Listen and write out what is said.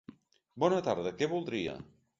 Bona tarda, què voldria?